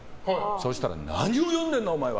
そうしたら何を読んでるんだお前は。